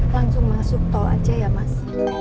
langsung masuk tol aja ya mas